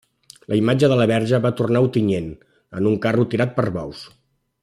La imatge de la Verge va tornar a Ontinyent en un carro tirat per bous.